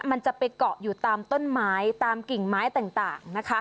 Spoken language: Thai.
มันจะไปเกาะอยู่ตามต้นไม้ตามกิ่งไม้ต่างนะคะ